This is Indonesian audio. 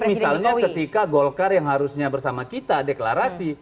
misalnya ketika golkar yang harusnya bersama kita deklarasi